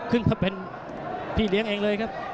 ซึ่งเขาเป็นพี่เลี้ยงเองเลยครับ